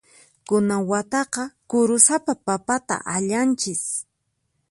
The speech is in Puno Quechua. Kunan wataqa kurusapa papata allanchis.